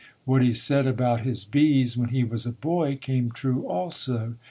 What he said about his bees when he was a boy came true also.